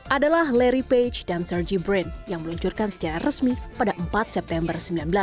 adalah larry page dan sergey brin yang meluncurkan secara resmi pada empat september seribu sembilan ratus sembilan puluh delapan